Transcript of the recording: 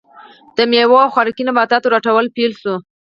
د میوو او خوراکي نباتاتو راټولول پیل شول.